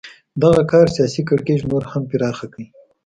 دغه کار سیاسي کړکېچ نور هم پراخ کړ.